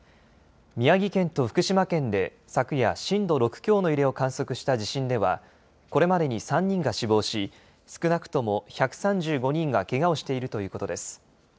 宮城県と福島県で昨夜、震度６強の揺れを観測した地震ではこれまでに３人が死亡し少なくとも１３５人がけがをしているということです。